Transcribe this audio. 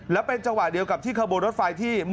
และเป็นระเจาะเดียวกับที่คาร์โบรอดไฟ